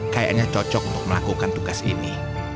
kayaknya cocok untuk melakukan tugas ini